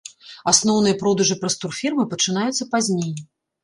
Асноўныя продажы праз турфірмы пачынаюцца пазней.